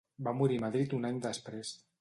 Va morir a Madrid un any després.